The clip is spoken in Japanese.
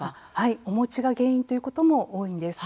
お餅が原因ということも多いんです。